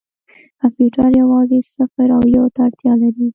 کمپیوټر یوازې صفر او یو ته اړتیا لري.